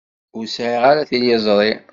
Ur sɛiɣ ara tiliẓri.